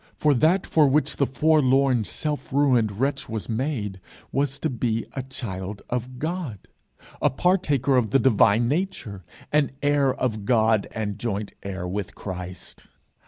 For that for which the forlorn, self ruined wretch was made, was to be a child of God, a partaker of the divine nature, an heir of God and joint heir with Christ.